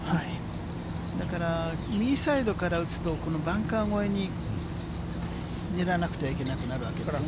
だから、右サイドから打つと、このバンカー越えに狙わなくてはいけなくなるわけですよね。